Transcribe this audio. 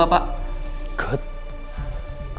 kalau begitu berikan informasi sebanyak banyaknya